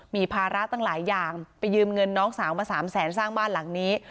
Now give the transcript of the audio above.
มีภาระตั้งหลายอย่างไปยืมเงินน้องสาวมา๓แสนสร้างบ้านหลังนี้